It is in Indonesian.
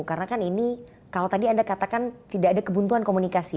karena kan ini kalau tadi anda katakan tidak ada kebuntuan komunikasi